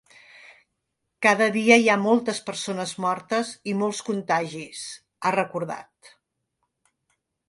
“Cada dia hi ha moltes persones mortes i molts contagis”, ha recordat.